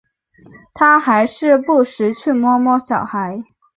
他还是不时去摸摸小孩